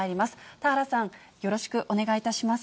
田原さん、よろしくお願いいたします。